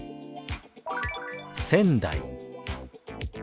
「仙台」。